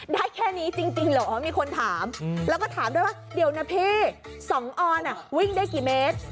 ได้แค่นี้จริงเหรอมีคนถามแล้วก็ถามด้วยว่าเดี๋ยวนะพี่๒ออนวิ่งได้กี่เมตร